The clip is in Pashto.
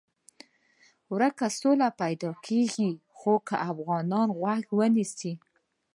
ورکه سوله پیدا کېږي خو که افغانان غوږ ونیسي.